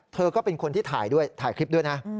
เธอก็เป็นคนที่ถ่ายด้วยถ่ายคลิปด้วยนะ